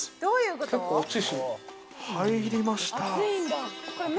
入りました。